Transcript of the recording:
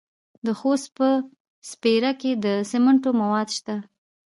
د خوست په سپیره کې د سمنټو مواد شته.